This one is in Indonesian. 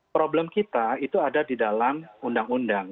problem kita itu ada di dalam undang undang